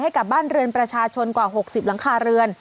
กับบ้านเรือนประชาชนกว่า๖๐หลังคาเรือน